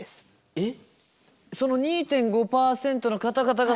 えっ？